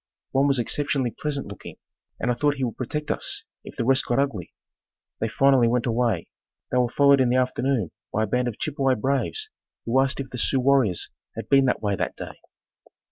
One was exceptionally pleasant looking and I thought he would protect us if the rest got ugly. They finally went away. They were followed in the afternoon by a band of Chippewa braves who asked if the Sioux warriors had been that way that day.